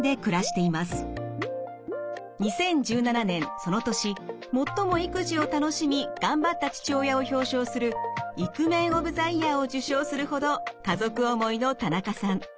２０１７年その年最も育児を楽しみ頑張った父親を表彰するイクメンオブザイヤーを受賞するほど家族思いの田中さん。